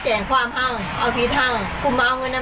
อ๋อเจ้าสีสุข่าวของสิ้นพอได้ด้วย